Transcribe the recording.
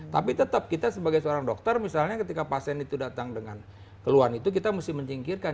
tapi tetap kita sebagai seorang dokter misalnya ketika pasien itu datang dengan keluhan itu kita mesti menyingkirkan